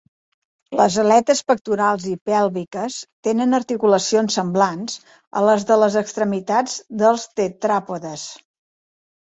Les aletes pectorals i pèlviques tenen articulacions semblants a les de les extremitats dels tetràpodes.